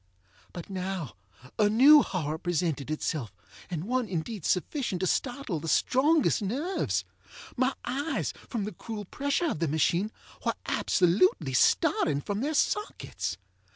But now a new horror presented itself, and one indeed sufficient to startle the strongest nerves. My eyes, from the cruel pressure of the machine, were absolutely starting from their sockets.